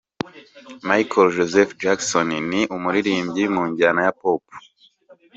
Michael Joseph Jackson ni umuririmbyi mu njyana ya Pop